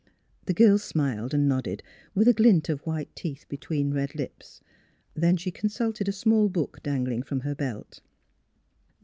" The girl smiled and nodded, with a glint of white teeth between red lips. Then she consulted a small book dangling from her belt.